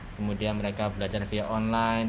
kemudian mereka belajar via online